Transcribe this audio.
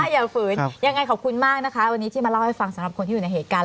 อย่าฝืนยังไงขอบคุณมากนะคะวันนี้ที่มาเล่าให้ฟังสำหรับคนที่อยู่ในเหตุการณ์